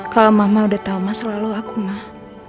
kalau mama udah tau masalah lo aku mah